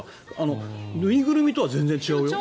縫いぐるみとは全然違うよ？